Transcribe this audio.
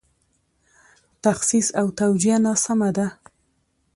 تخصیص او توجیه ناسمه ده.